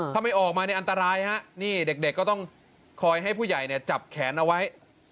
ถ้าไม่ออกมาเนี่ยอันตรายฮะนี่เด็กก็ต้องคอยให้ผู้ใหญ่เนี่ยจับแขนเอาไว้